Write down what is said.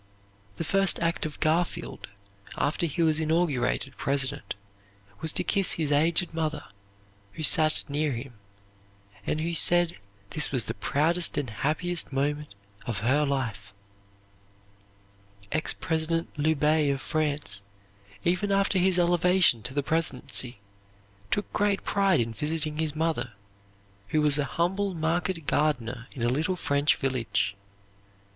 The first act of Garfield, after he was inaugurated President, was to kiss his aged mother, who sat near him, and who said this was the proudest and happiest moment of her life. Ex President Loubet of France, even after his elevation to the presidency, took great pride in visiting his mother, who was a humble market gardener in a little French village.